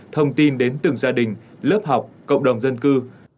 thông tin đến từng gia đình lớp học cộng đồng dân cư